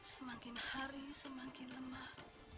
semakin hari semakin lemah